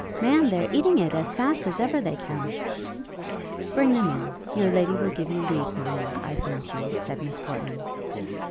Ma'am, they're eating it as fast as ever they can!" "Bring them in; your lady will give you leave, Marriott, I fancy," said Miss Portman.